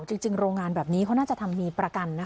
จริงโรงงานแบบนี้เขาน่าจะทำมีประกันนะคะ